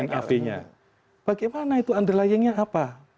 nav nya bagaimana itu underlying nya apa